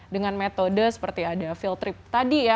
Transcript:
dengan metode seperti ada field trip tadi ya